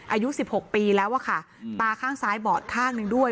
อายุ๑๖ปีแล้วอะค่ะตาข้างซ้ายบอดข้างหนึ่งด้วย